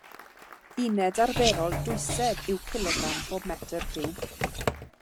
Uned arferol dwysedd yw cilogram pob metr ciwb.